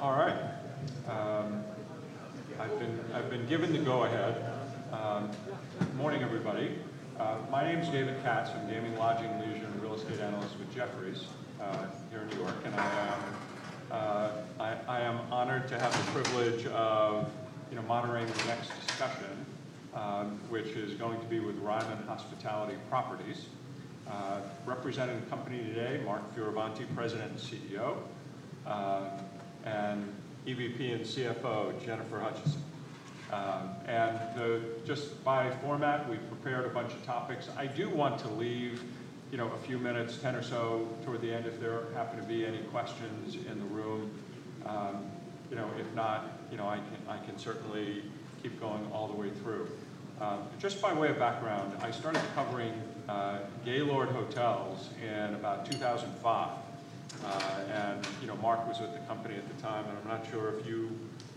All right. I've been given the go-ahead. Good morning, everybody. My name's David Katz. I'm Gaming Lodging Leisure and Real Estate Analyst with Jefferies here in New York. I am honored to have the privilege of moderating the next discussion, which is going to be with Ryman Hospitality Properties. Representing the company today, Mark Fioravanti, President and CEO, and EVP and CFO, Jennifer Hutcheson. Just by format, we've prepared a bunch of topics. I do want to leave a few minutes, 10 or so, toward the end if there happen to be any questions in the room. If not, I can certainly keep going all the way through. Just by way of background, I started covering Gaylord Hotels in about 2005. Mark was with the company at the time. I'm not sure if you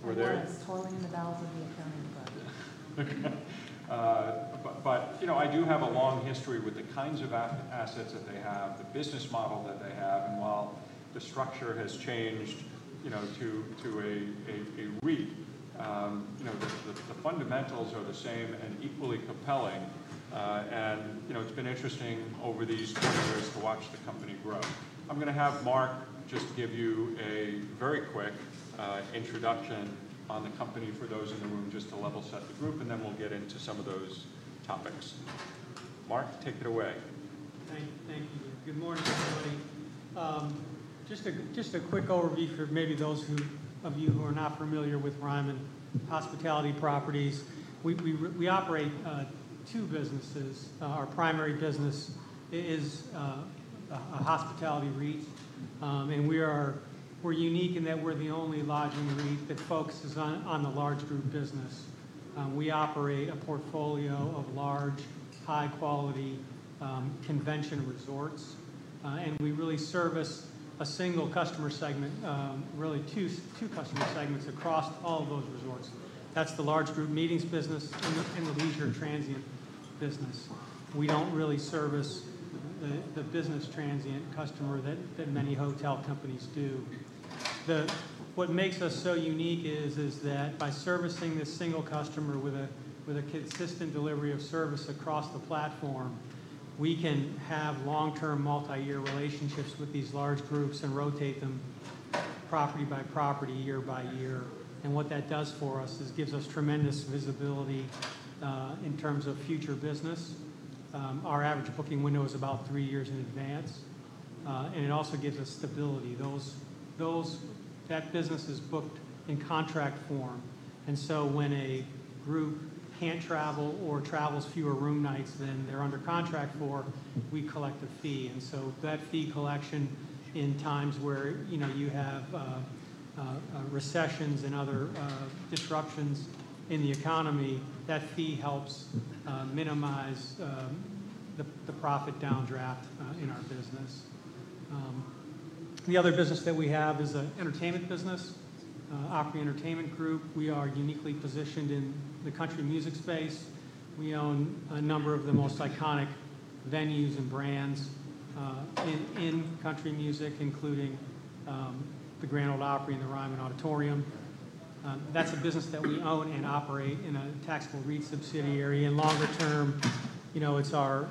were there. I was totally in the bowels of the attorney's blood. I do have a long history with the kinds of assets that they have, the business model that they have. While the structure has changed to a REIT, the fundamentals are the same and equally compelling. It has been interesting over these 20 years to watch the company grow. I'm going to have Mark just give you a very quick introduction on the company for those in the room, just to level set the group. Then we'll get into some of those topics. Mark, take it away. Thank you. Good morning, everybody. Just a quick overview for maybe those of you who are not familiar with Ryman Hospitality Properties. We operate two businesses. Our primary business is a hospitality REIT. We are unique in that we are the only lodging REIT that focuses on the large group business. We operate a portfolio of large, high-quality convention resorts. We really service a single customer segment, really two customer segments across all of those resorts. That is the large group meetings business and the leisure transient business. We do not really service the business transient customer that many hotel companies do. What makes us so unique is that by servicing this single customer with a consistent delivery of service across the platform, we can have long-term, multi-year relationships with these large groups and rotate them property by property, year by year. What that does for us is gives us tremendous visibility in terms of future business. Our average booking window is about three years in advance. It also gives us stability. That business is booked in contract form. When a group cannot travel or travels fewer room nights than they are under contract for, we collect a fee. That fee collection in times where you have recessions and other disruptions in the economy helps minimize the profit downdraft in our business. The other business that we have is an entertainment business, Opry Entertainment Group. We are uniquely positioned in the country music space. We own a number of the most iconic venues and brands in country music, including the Grand Ole Opry and the Ryman Auditorium. That is a business that we own and operate in a taxable REIT subsidiary. Longer term, it's our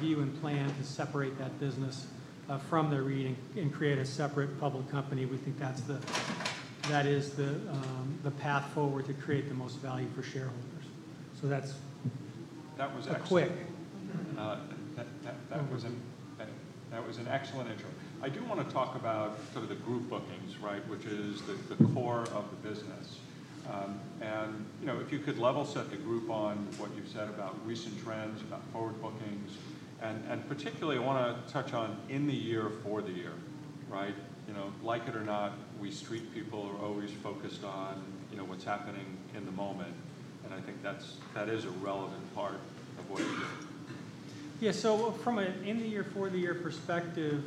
view and plan to separate that business from the REIT and create a separate public company. We think that is the path forward to create the most value for shareholders. So that's a quick. That was an excellent intro. I do want to talk about sort of the group bookings, which is the core of the business. If you could level set the group on what you've said about recent trends, about forward bookings. Particularly, I want to touch on in the year for the year. Like it or not, we street people are always focused on what's happening in the moment. I think that is a relevant part of what you do. Yeah. From an in-the-year, for-the-year perspective,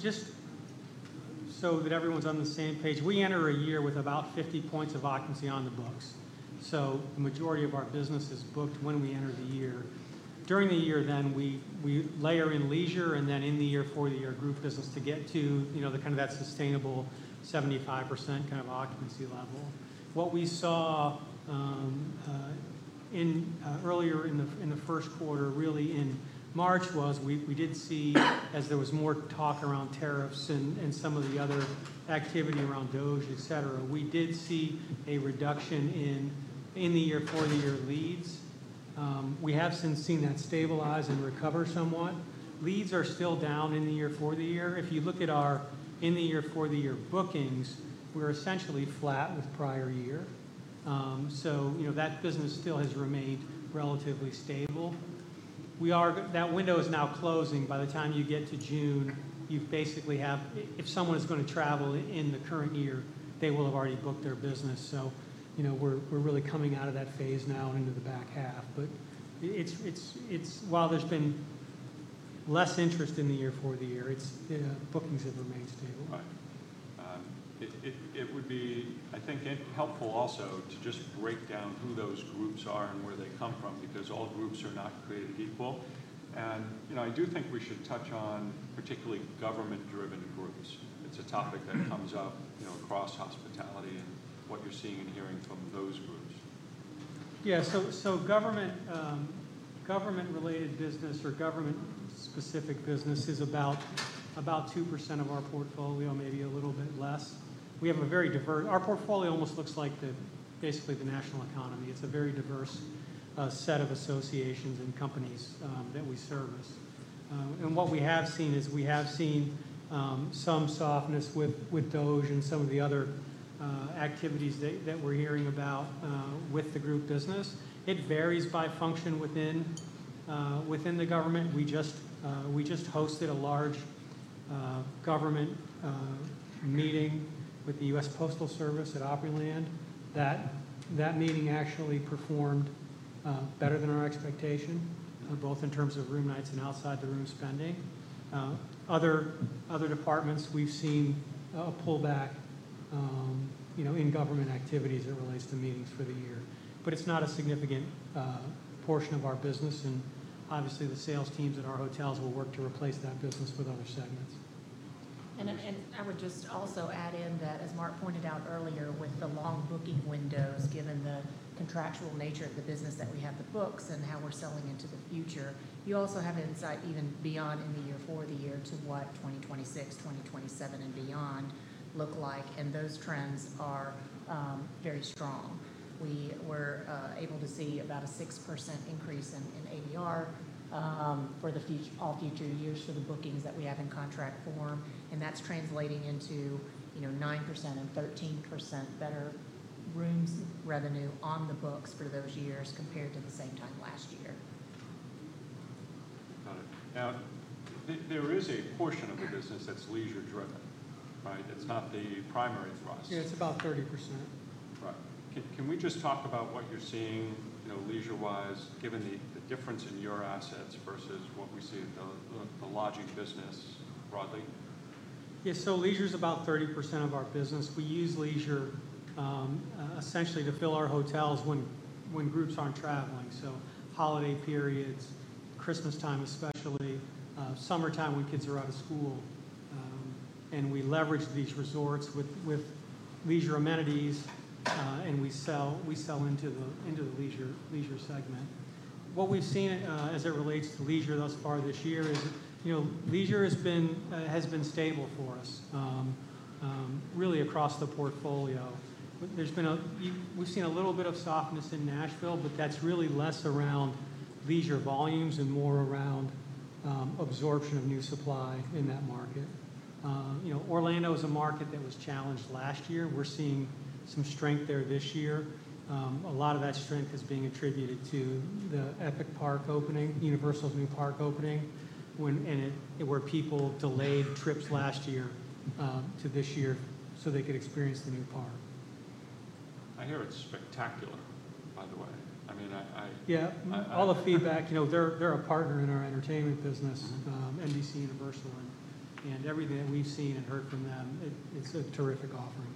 just so that everyone’s on the same page, we enter a year with about 50 percentage points of occupancy on the books. The majority of our business is booked when we enter the year. During the year, we layer in leisure and then the in-the-year for-the-year group business to get to kind of that sustainable 75% occupancy level. What we saw earlier in the first quarter, really in March, was we did see, as there was more talk around tariffs and some of the other activity around OEG, et cetera, we did see a reduction in the in-the-year-for-the-year leads. We have since seen that stabilize and recover somewhat. Leads are still down in the year for the year. If you look at our in-the-year, for-the-year bookings, we’re essentially flat with the prior year. That business has remained relatively stable. That window is now closing. By the time you get to June, you basically have, if someone is going to travel in the current year, they will have already booked their business. We’re really coming out of that phase now and into the back half. While there’s been less interest in the in-the-year, for-the-year, bookings have remained stable. Right. It would be, I think, helpful to also just break down who those groups are and where they come from because all groups are not created equal. I do think we should touch on particularly government-driven groups. It’s a topic that comes up across hospitality and what you’re seeing and hearing from those groups. Yeah. Government-related business or government-specific business is about 2% of our portfolio, maybe a little bit less. We have a very diverse portfolio. Our portfolio basically looks like the national economy. It’s a very diverse set of associations and companies that we service. What we have seen is we have seen some softness with D.C. and some of the other activities that we’re hearing about with the group business. It varies by function within the government. We just hosted a large government meeting with the US Postal Service at Opryland. That meeting actually performed better than our expectations, both in terms of room nights and outside the room spending. Other departments, we’ve seen a pullback in government activities as it relates to meetings for the year. It’s not a significant portion of our business. Obviously, the sales teams at our hotels will work to replace that business with other segments. I would just also add in that, as Mark pointed out earlier, with the long booking windows, given the contractual nature of the business that we have to book and how we’re selling into the future, you also have insight even beyond in the in-the-year for-the-year to what 2026, 2027, and beyond look like. Those trends are very strong. We were able to see about a 6% increase in ADR for all future years for the bookings that we have in contract form. That is translating into 9% and 13% better rooms revenue on the books for those years compared to the same time last year. Got it. Now, there is a portion of the business that's leisure-driven. It's not the primary thrust. Yeah. It's about 30%. Right. Can we just talk about what you're seeing leisure-wise, given the difference in your assets versus what we see in the lodging business broadly? Yeah. Leisure is about 30% of our business. We use leisure essentially to fill our hotels when groups are not traveling. Holiday periods, Christmas time especially, summertime when kids are out of school. We leverage these resorts with leisure amenities. We sell into the leisure segment. What we have seen as it relates to leisure thus far this year is leisure has been stable for us, really across the portfolio. We have seen a little bit of softness in Nashville, but that is really less around leisure volumes and more around absorption of new supply in that market. Orlando is a market that was challenged last year. We are seeing some strength there this year. A lot of that strength is being attributed to the Epic Universe opening, Universal’s new park opening, where people delayed trips last year to this year so they could experience the new park. I hear it's spectacular, by the way. I mean. Yeah. All the feedback. They're a partner in our entertainment business, NBCUniversal, and everything that we've seen and heard from them, it's a terrific offering.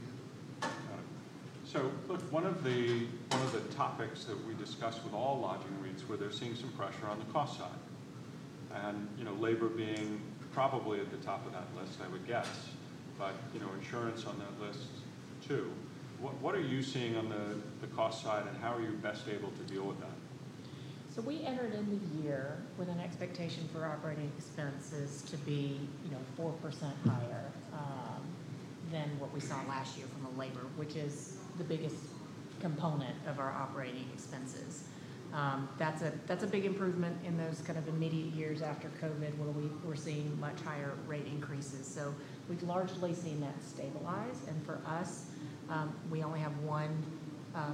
Got it. One of the topics that we discussed with all lodging REITs is where they’re seeing some pressure on the cost side. Labor being probably at the top of that list, I would guess, but insurance on that list too. What are you seeing on the cost side, and how are you best able to deal with that? We entered the year with an expectation for operating expenses to be 4% higher than what we saw last year from labor, which is the biggest component of our operating expenses. That is a big improvement in those kind of immediate years after COVID where we are seeing much higher rate increases. We have largely seen that stabilize. For us, we only have one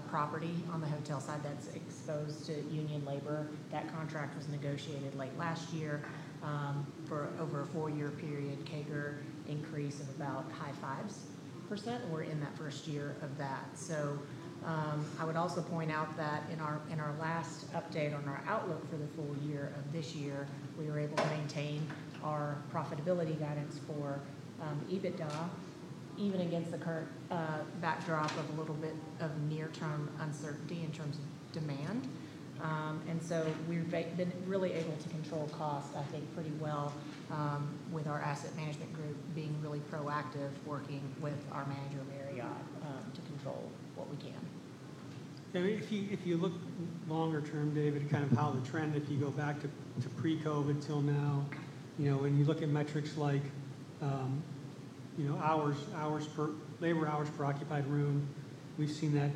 property on the hotel side that is exposed to union labor. That contract was negotiated late last year for over a four-year period, CAGR increase of about high-5%. We are in that first year of that. I would also point out that in our last update on our outlook for the full year of this year, we were able to maintain our profitability guidance for EBITDA, even against the current backdrop of a little bit of near-term uncertainty in terms of demand. We have been really able to control costs, I think pretty well with our asset management group being really proactive, working with our manager, Mary Ott, to control what we can. If you look longer term, David, kind of what the trend has been, if you go back to pre-COVID till now, when you look at metrics like labor hours per occupied room, we’ve seen that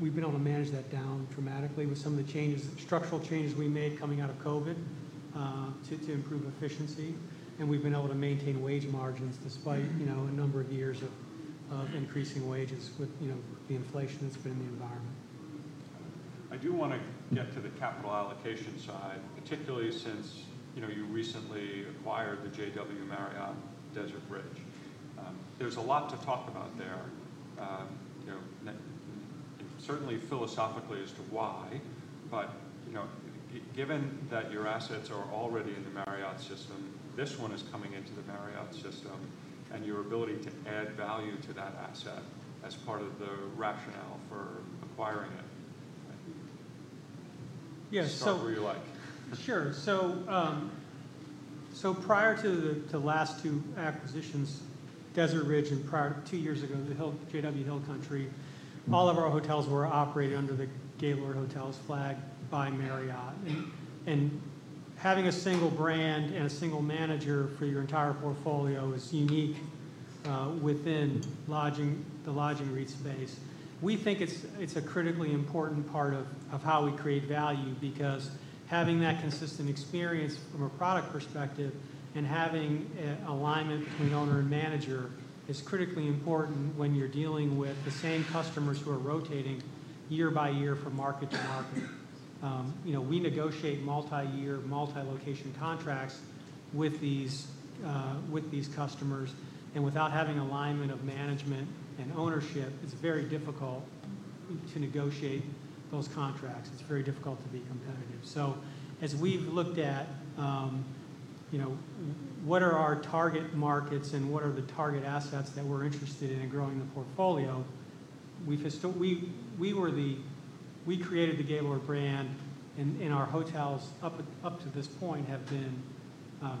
we’ve been able to manage that down dramatically with some of the structural changes we made coming out of COVID to improve efficiency. We’ve been able to maintain wage margins despite a number of years of increasing wages with the inflation that’s been in the environment. I do want to get to the capital allocation side, particularly since you recently acquired the JW Marriott Desert Ridge. There’s a lot to talk about there, certainly, philosophically, as to why. Given that your assets are already in the Marriott system, this one is coming into the Marriott system, and your ability to add value to that asset as part of the rationale for acquiring it. Yeah. Tell us what you like. Sure. Prior to the last two acquisitions, Desert Ridge, and two years ago, the JW Marriott Hill Country, all of our hotels were operated under the Gaylord Hotels flag by Marriott. Having a single brand and a single manager for your entire portfolio is unique within the lodging REIT space. We think it is a critically important part of how we create value because having that consistent experience from a product perspective and having alignment between owner and manager is critically important when you are dealing with the same customers who are rotating year by year from market to market. We negotiate multi-year, multi-location contracts with these customers. Without having alignment of management and ownership, it is very difficult to negotiate those contracts. It is very difficult to be competitive. As we’ve looked at what are our target markets and what are the target assets that we’re interested in growing the portfolio, we created the Gaylord brand, and our hotels up to this point have been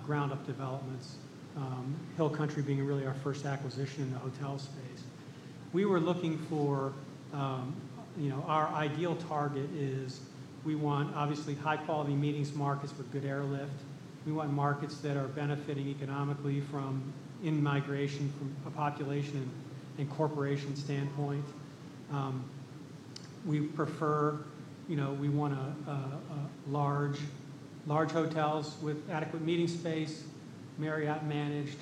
ground-up developments, JW Marriott Hill Country being really our first acquisition in the hotel space. We were looking for our ideal target. What we want is, obviously, high-quality meetings markets with good airlift. We want markets that are benefiting economically from in-migration population and corporation standpoint. We want large hotels with adequate meeting space, managed by Marriott.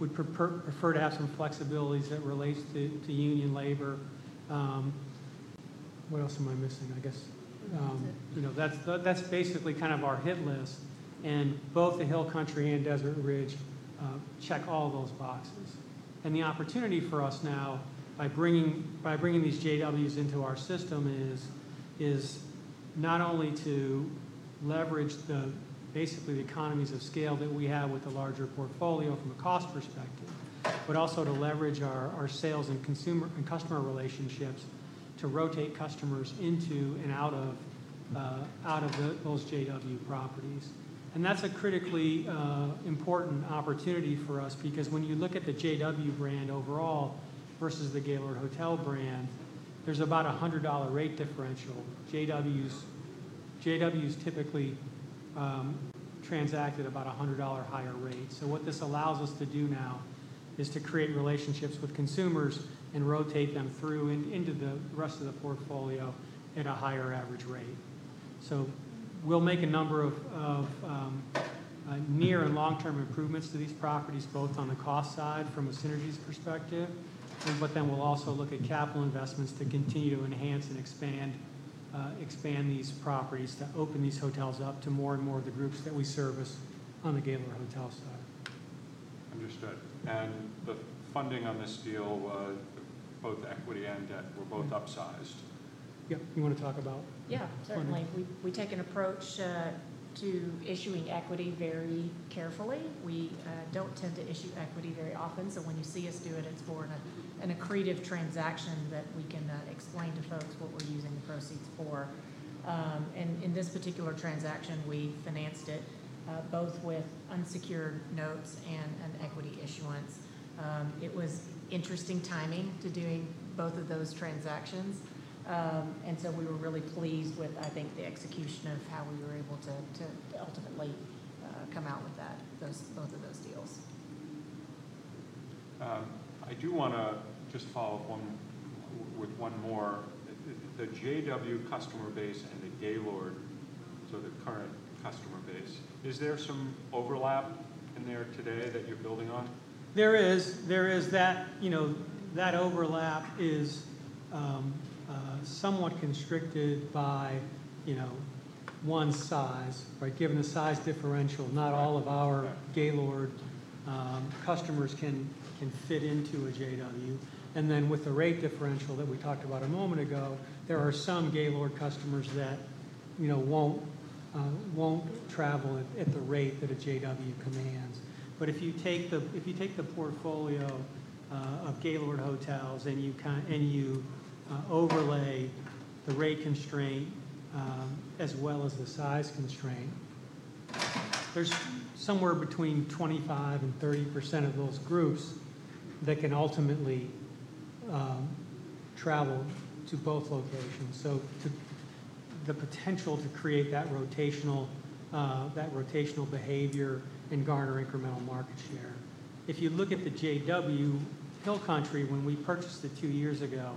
We’d prefer to have some flexibility as it relates to union labor. What else am I missing? I guess that’s basically kind of our hit list. Both the Hill Country and Desert Ridge check all those boxes. The opportunity for us now by bringing these JW Marriott properties into our system is not only to leverage basically the economies of scale that we have with the larger portfolio from a cost perspective, but also to leverage our sales and customer relationships to rotate customers into and out of those JW Marriott properties. That is a critically important opportunity for us because when you look at the JW brand overall versus the Gaylord Hotel brand, there is about a $100 rate differential. JW Marriott properties typically transact at about a $100 higher rate. What this allows us to do now is to create relationships with consumers and rotate them through into the rest of the portfolio at a higher average rate. We’ll make a number of near and long-term improvements to these properties, both on the cost side from a synergies perspective, but then we’ll also look at capital investments to continue to enhance and expand these properties to open these hotels up to more and more of the groups that we service on the Gaylord Hotel side. Understood. The funding on this deal, both equity and debt, was both upsized. Yeah. You want to talk about? Yeah. Certainly. We take an approach to issuing equity very carefully. We do not tend to issue equity very often. When you see us do that, it is more an accretive transaction that we can explain to folks what we are using the proceeds for. In this particular transaction, we financed it both with unsecured notes and an equity issuance. It was interesting timing to be doing both of those at the same time. We were really pleased with, I think, the execution of how we were able to ultimately come out with both of those deals. I do want to just follow up with one more. The JW customer base and the Gaylord — so the current customer base — is there some overlap today that you’re building on? There is. That overlap is somewhat constrained by size. Given the size differential, not all of our Gaylord customers can fit into a JW Marriott. With the rate differential that we talked about a moment ago, there are some Gaylord customers that will not travel at the rate a JW Marriott commands. If you take the portfolio of Gaylord Hotels and you overlay the rate constraint as well as the size constraint, there is somewhere between 25–30% of those groups that can ultimately travel to both locations. The potential to create that rotational behavior and garner incremental market share. If you look at the JW Hill Country, when we purchased it two years ago,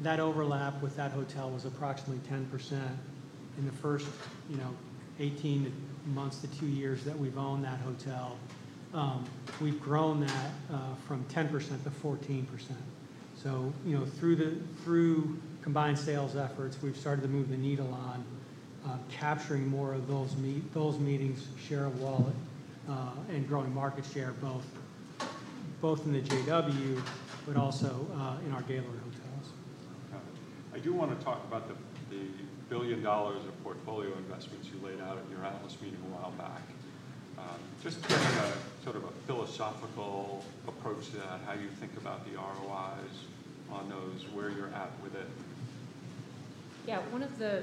that overlap with that hotel was approximately 10%. In the first 18 months to two years that we have owned that hotel, we have grown that from 10% to 14%. Through combined sales efforts, we’ve started to move the needle on capturing more of those meetings’ share of wallet and growing market share both in the JW Marriott but also in our Gaylord Hotels. Got it. I do want to talk about the $1 billion of portfolio investments you laid out at your analyst meeting a while back. Just getting a sort of philosophical approach to that, how you think about the ROIs on those, where you’re at with it. Yeah. One of the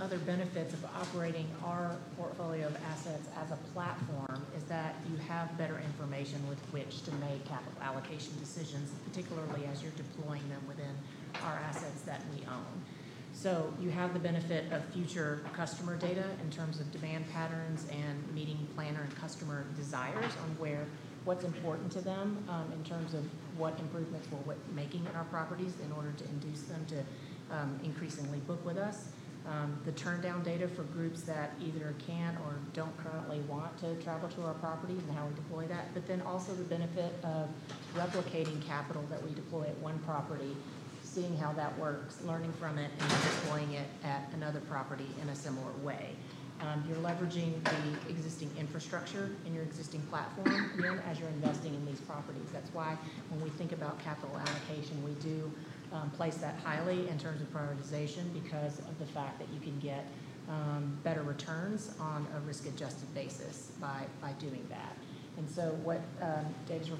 other benefits of operating our portfolio of assets as a platform is that you have better information with which to make capital allocation decisions, particularly as you’re deploying them within our assets that we own. You have the benefit of future customer data in terms of demand patterns and meeting planner and customer desires on what’s important to them in terms of what improvements we’re making in our properties in order to induce them to increasingly book with us, their own data for groups that either can’t or don’t currently want to travel to our property and how we deploy that then also the benefit of replicating capital that we deploy at one property, seeing how that works, learning from it, and then deploying it at another property in a similar way. You’re leveraging the existing infrastructure in your existing platform, again, as you’re investing in these properties. That’s why when we think about capital allocation, we do place that highly in terms of prioritization because of the fact that you can get better returns on a risk-adjusted basis by doing that. What David is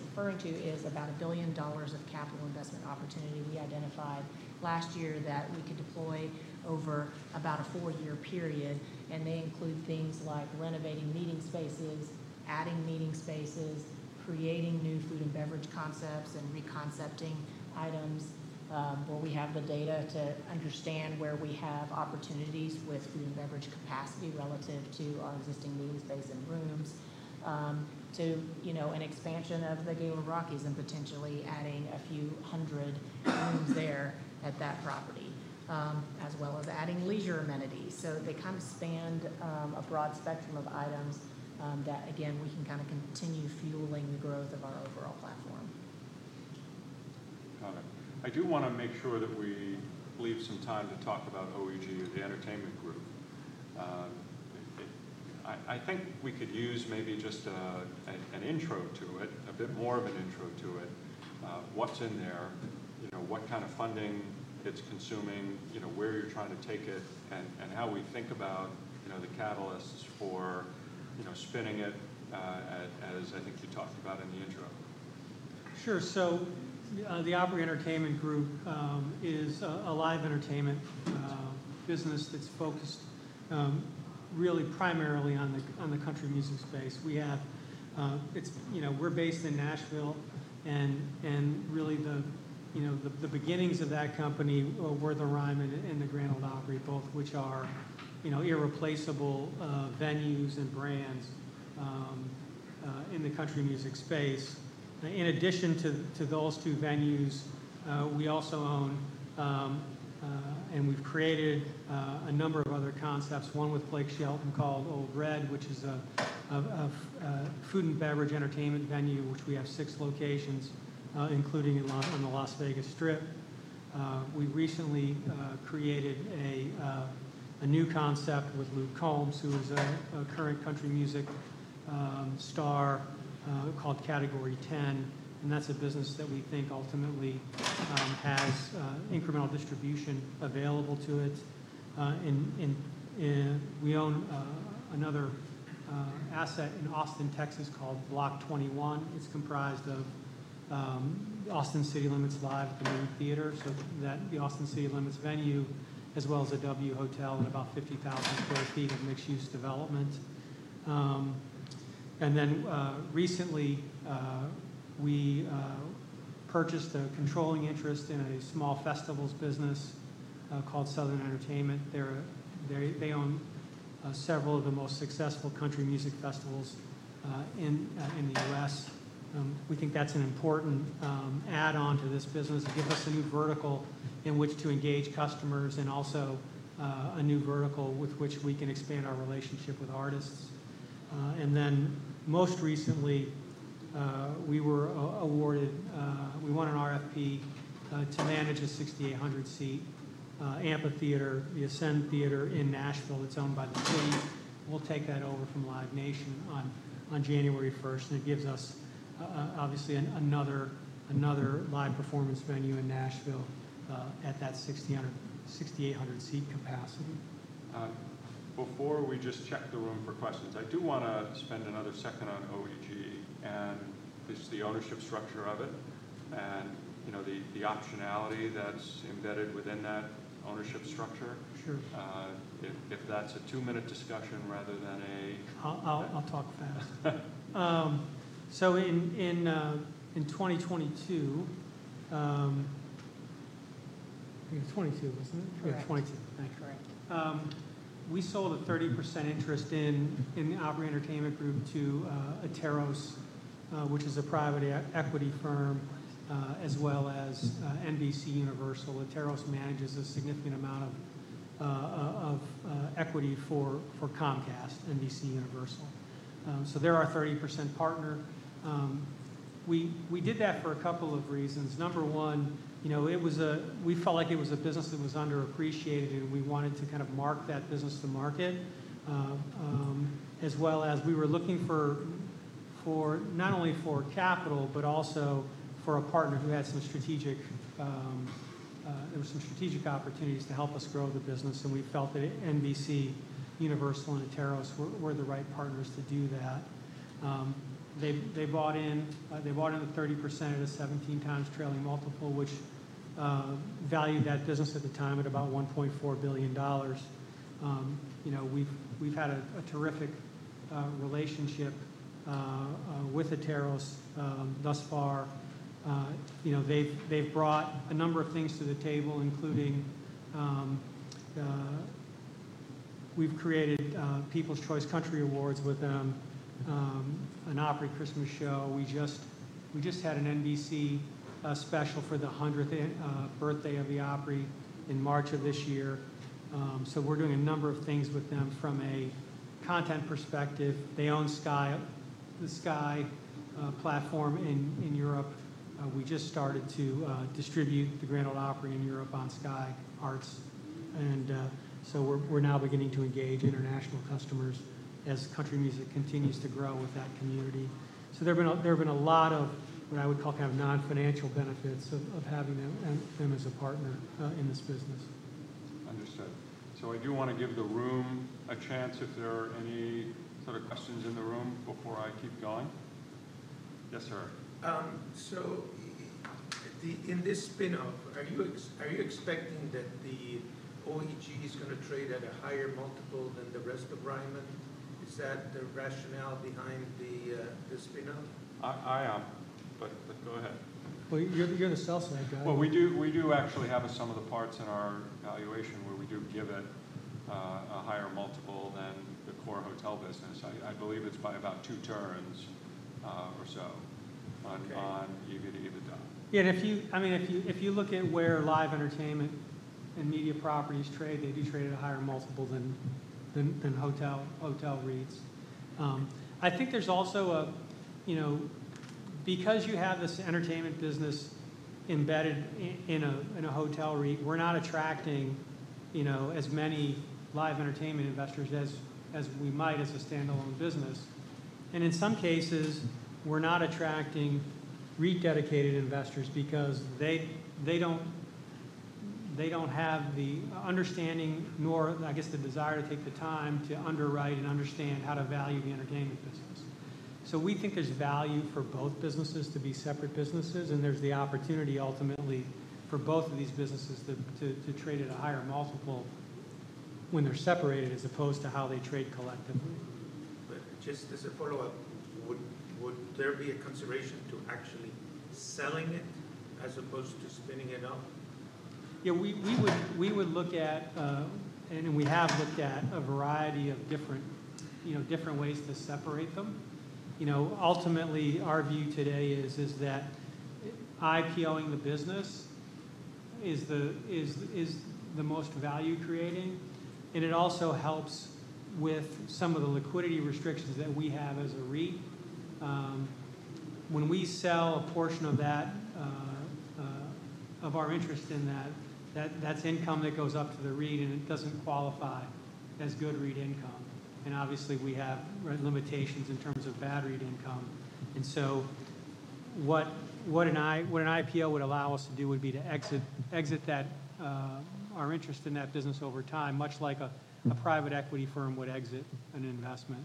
referring to is about $1 billion of capital investment opportunity we identified last year that we could deploy over about a four-year period. They include things like renovating meeting spaces, adding meeting spaces, creating new food and beverage concepts, and reconcepting items where we have the data to understand where we have opportunities with food and beverage capacity relative to our existing meeting space and rooms to an expansion of the Gaylord Rockies and potentially adding a few hundred rooms there at that property, as well as adding leisure amenities. They kind of spanned a broad spectrum of items that, again, we can kind of continue fueling the growth of our overall platform. Got it. I do want to make sure that we leave some time to talk about OEG, the entertainment group. I think we could use maybe just an intro to it, a bit more of an intro to it. What’s in there? What kind of funding it’s consuming? Where you’re trying to take it? And how we think about the catalysts for spinning it, as I think you talked about in the intro. Sure. The Opry Entertainment Group is a live entertainment business that’s focused really primarily on the country music space. We’re based in Nashville. Really, the beginnings of that company were the Ryman and the Grand Ole Opry, both which are irreplaceable venues and brands in the country music space. In addition to those two venues, we also own and we’ve created a number of other concepts, one with Blake Shelton called Ole Red, which is a food and beverage entertainment venue, which we have six locations, including on the Las Vegas Strip. We recently created a new concept with Luke Combs, who is a current country music star, called Category 10. That’s a business that we think ultimately has incremental distribution available to it. We own another asset in Austin, Texas, called Block 21. It's comprised of Austin City Limits Live at the Moody Theater, so the Austin City Limits venue, as well as the W Austin at about 50,000 sq ft of mixed-use development. Recently, we purchased a controlling interest in a small festivals business called Southern Entertainment. They own several of the most successful country music festivals in the U.S. We think that’s an important add-on to this business, gives us a new vertical in which to engage customers and also a new vertical with which we can expand our relationship with artists. Most recently, we were awarded, we won an RFP to manage a 6,800-seat amphitheater, the Ascend Amphitheater in Nashville. It’s owned by the city. We’ll take that over from Live Nation on January 1. It gives us, obviously, another live performance venue in Nashville at that 6,800-seat capacity. Before we just check the room for questions, I do want to spend another second on OEG and the ownership structure of it and the optionality that's embedded within that ownership structure. If that's a two-minute discussion rather than a... I'll talk fast. In 2022, I think it was 2022, wasn't it? Correct. '22. Thank you. Correct. We sold a 30% interest in the Opry Entertainment Group to Atairos, which is a private equity firm, as well as NBCUniversal. Atairos manages a significant amount of equity for Comcast, NBCUniversal. So they’re our 30% partner. We did that for a couple of reasons. Number one, we felt like it was a business that was underappreciated, and we wanted to kind of mark that business to market, as well as we were looking for not only for capital but also for a partner who had some strategic opportunities to help us grow the business. We felt that NBCUniversal and Atairos were the right partners to do that. They bought in the 30% at a 17 times trailing multiple, which valued that business at the time at about $1.4 billion. We’ve had a terrific relationship with Atairos thus far. They've brought a number of things to the table, including we've created People's Choice Country Awards with them, an Opry Christmas show. We just had an NBC special for the 100th birthday of the Opry in March of this year. We are doing a number of things with them from a content perspective. They own the Sky platform in Europe. We just started to distribute the Grand Ole Opry in Europe on Sky Arts. We are now beginning to engage international customers as country music continues to grow with that community. There have been a lot of what I would call kind of non-financial benefits of having them as a partner in this business. Understood. I do want to give the room a chance if there are any sort of questions in the room before I keep going. Yes, sir. In this spinoff, are you expecting that the OEG is going to trade at a higher multiple than the rest of Ryman? Is that the rationale behind the spinoff? I am, but go ahead. You're the salesman, guys. We do actually have a sum of the parts in our valuation where we do give it a higher multiple than the core hotel business. I believe it's by about two turns or so on EBITDA. Yeah. I mean, if you look at where live entertainment and media properties trade, they do trade at a higher multiple than hotel REITs. I think there's also a because you have this entertainment business embedded in a hotel REIT, we're not attracting as many live entertainment investors as we might as a standalone business. In some cases, we're not attracting REIT-dedicated investors because they don't have the understanding nor I guess the desire to take the time to underwrite and understand how to value the entertainment business. We think there's value for both businesses to be separate businesses. There's the opportunity ultimately for both of these businesses to trade at a higher multiple when they're separated as opposed to how they trade collectively. Just as a follow-up, would there be a consideration to actually selling it as opposed to spinning it up? Yeah. We would look at and we have looked at a variety of different ways to separate them. Ultimately, our view today is that IPOing the business is the most value-creating. It also helps with some of the liquidity restrictions that we have as a REIT. When we sell a portion of our interest in that, that's income that goes up to the REIT, and it doesn't qualify as good REIT income. Obviously, we have limitations in terms of bad REIT income. What an IPO would allow us to do would be to exit our interest in that business over time, much like a private equity firm would exit an investment.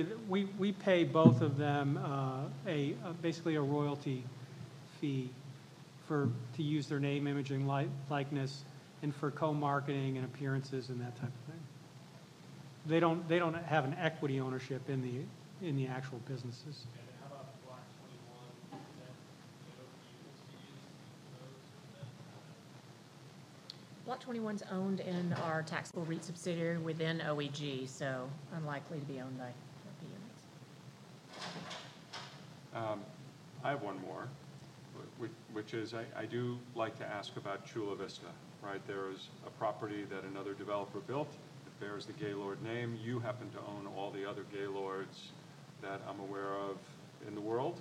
Yes. As far as Blake Shelton and Luke Combs and Block 21, do they retain or what's the economic commitment that you make to the name of them? Yeah. We pay both of them basically a royalty fee to use their name, image, likeness, and for co-marketing and appearances and that type of thing. They do not have an equity ownership in the actual businesses. How about Block 21? Is that an OEG that's being used for those? Block 21's owned in our taxable REIT subsidiary within OEG, so unlikely to be owned by OEG. I have one more, which is I do like to ask about Chula Vista, right? There's a property that another developer built. It bears the Gaylord name. You happen to own all the other Gaylords that I'm aware of in the world.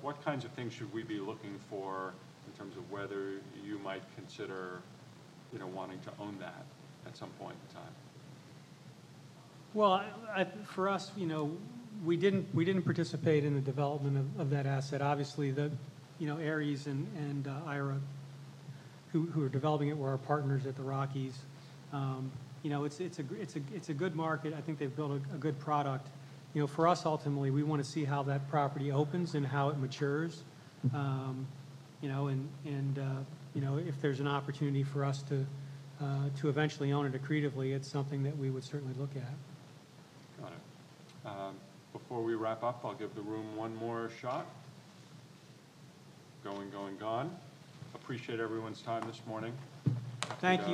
What kinds of things should we be looking for in terms of whether you might consider wanting to own that at some point in time? For us, we did not participate in the development of that asset. Obviously, Aryeh and Ira, who are developing it, were our partners at the Rockies. It is a good market. I think they have built a good product. For us, ultimately, we want to see how that property opens and how it matures. If there is an opportunity for us to eventually own it accretively, it is something that we would certainly look at. Got it. Before we wrap up, I'll give the room one more shot. Going, going, gone. Appreciate everyone's time this morning. Thank you.